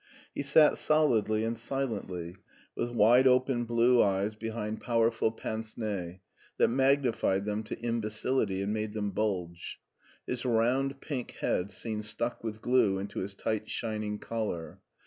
He sat solidly and silently, with wide open blue eyes behind powerful pince nez that magnified them to imbecility and made them bulge. His round, pink head seemed stuck with glue into his tight, shining collar.